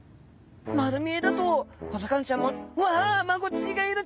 丸見えだと小魚ちゃんも「うわマゴチがいる！